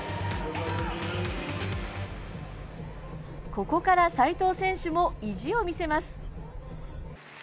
ここから齋藤選手も意地を見せます。